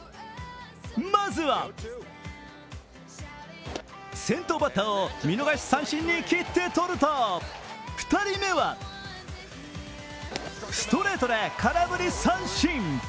まずは先頭バッターを見逃し三振に切って取ると、２人目はストレートで空振り三振。